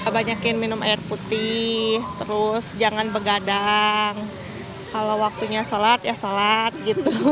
banyakin minum air putih terus jangan begadang kalau waktunya sholat ya sholat gitu